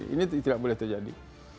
ini tidak boleh terjadi